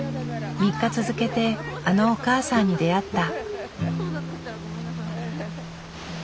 ３日続けてあのおかあさんに出会った。